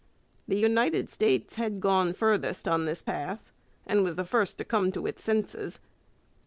The United States had gone furthest on this path, and was the first to come to its senses.